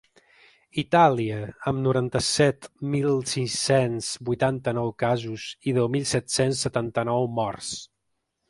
Itàlia, amb noranta-set mil sis-cents vuitanta-nou casos i deu mil set-cents setanta-nou morts.